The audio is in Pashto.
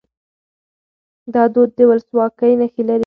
دا دود د ولسواکۍ نښې لري.